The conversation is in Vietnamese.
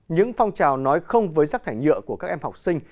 những phong trào nói không với rác thải nhựa của các em học sinh